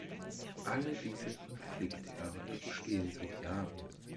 Alle diese Konfliktherde bestehen seit Jahren.